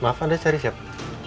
maaf anda cari siapa